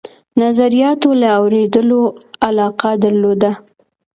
نظریاتو له اورېدلو علاقه درلوده.